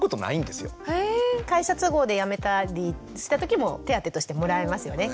会社都合で辞めたりした時も手当としてもらえますよね。